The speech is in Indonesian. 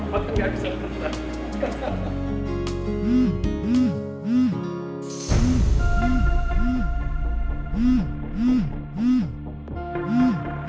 papa tuh gak bisa bertestan